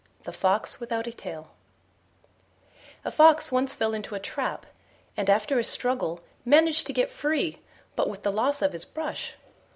THE FOX WITHOUT A TAIL A fox once fell into a trap, and after a struggle managed to get free, but with the loss of his brush.